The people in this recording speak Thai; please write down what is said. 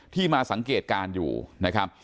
มาสังเกตการณ์อยู่นะครับ